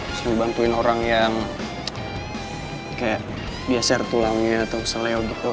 biasa dibantuin orang yang kayak biasa rtulangnya atau seleo gitu